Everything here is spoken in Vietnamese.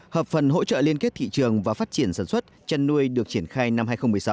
hợp phần hỗ trợ liên kết thị trường và phát triển sản xuất chăn nuôi được triển khai năm hai nghìn một mươi sáu